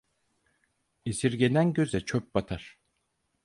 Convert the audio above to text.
Esirgenen göze çöp batar.